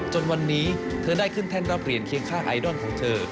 จนวันนี้เธอได้ขึ้นแท่นรับเหรียญเคียงค่าไอดอลของเธอ